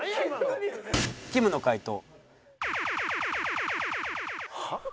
きむの回答。